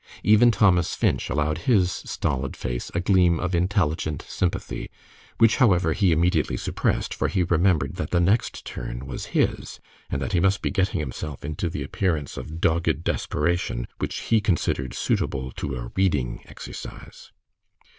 Even Thomas Finch allowed his stolid face a gleam of intelligent sympathy, which, however, he immediately suppressed, for he remembered that the next turn was his, and that he must be getting himself into the appearance of dogged desperation which he considered suitable to a reading exercise.